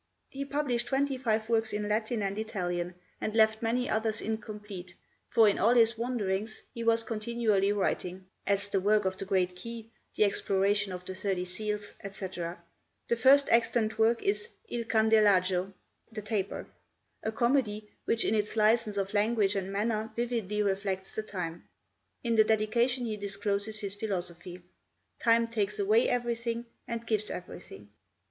He published twenty five works in Latin and Italian, and left many others incomplete, for in all his wanderings he was continually writing. The eccentric titles show his desire to attract attention: as 'The Work of the Great Key,' 'The Exploration of the Thirty Seals,' etc. The first extant work is 'Il Candelajo' (The Taper), a comedy which in its license of language and manner vividly reflects the time. In the dedication he discloses his philosophy: 'Time takes away everything and gives everything.'